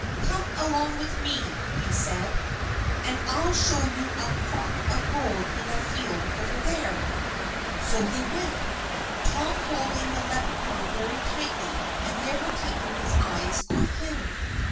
"Come along with me," said he, "and I'll show you a crock of gold in a field over there." So they went, Tom holding the Leprechaun very tightly, and never taking his eyes off him.